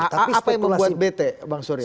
apa yang membuat bete pak surya